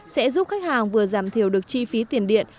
sẽ giúp khách hàng vừa giảm thiểu được chi phí tiền điện